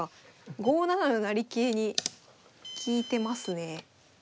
５七の成桂に利いてますね。